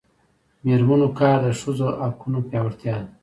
د میرمنو کار د ښځو حقونو پیاوړتیا ده.